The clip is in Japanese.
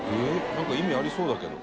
なんか意味ありそうだけど」